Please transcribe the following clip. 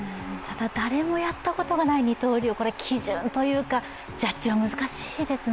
誰もやったことがない二刀流、これ基準というかジャッジは難しいですね。